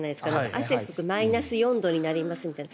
汗を拭くマイナス４度になりますみたいな。